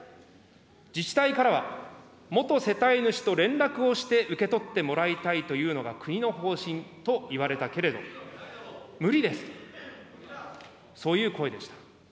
自治体からは、元世帯主と連絡をして受け取ってもらいたいというのが国の方針と言われたけれど、無理ですと、そういう声でした。